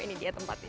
ini dia tempatnya